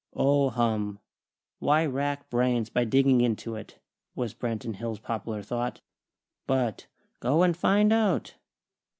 "Oh, hum! Why rack brains by digging into it?" was Branton Hills' popular thought. "But, go and find out!"